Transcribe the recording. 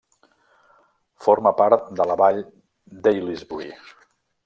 Forma part de la Vall d'Aylesbury.